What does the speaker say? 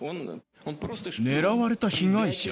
狙われた被害者？